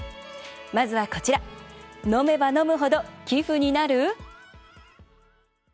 まずは、こちら「飲めば飲むほど寄付になる！？」。